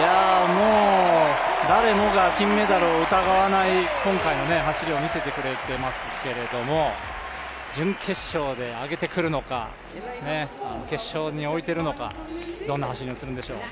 もう、誰もが金メダルを疑わない今回の走りを見せてくれていますけど準決勝で上げてくれるのか、決勝に置いているのか、どんな走りをするんでしょう。